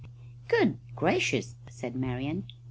"Good gracious!" said Marian.